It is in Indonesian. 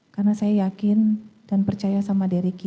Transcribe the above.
karena saya yakin dan percaya sama dari ricky